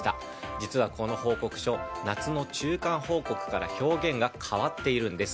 実はこの報告書夏の中間報告から表現が変わっているんです。